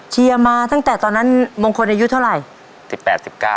เชียร์มาตั้งแต่ตอนนั้นมงคลอายุเท่าไหร่